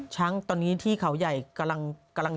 ช้างตอนนี้ที่เขาใหญ่กำลัง